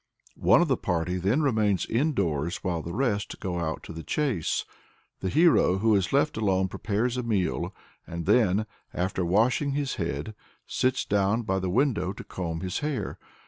One of the party then remains indoors, while the rest go out to the chase. The hero who is left alone prepares a meal, and then, "after washing his head, sits down by the window to comb his hair."